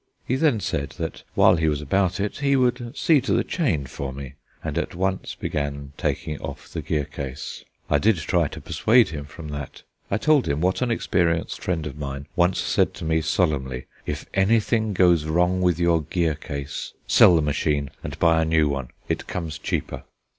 He then said that while he was about it he would see to the chain for me, and at once began taking off the gear case. I did try to persuade him from that. I told him what an experienced friend of mine once said to me solemnly: "If anything goes wrong with your gear case, sell the machine and buy a new one; it comes cheaper."